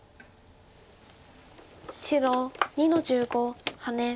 白２の十五ハネ。